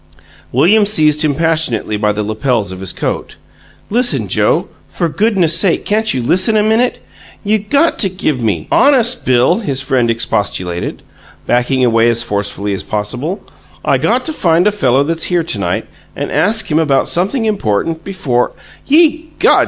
William seized him passionately by the lapels of his coat. "Listen, Joe. For goodness' sake can't you listen a MINUTE? You GOT to give me " "Honest, Bill," his friend expostulated, backing away as forcefully as possible, "I got to find a fellow that's here to night and ask him about something important before " "Ye gods!